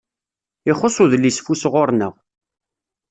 Ixuṣ udlisfus ɣur-neɣ.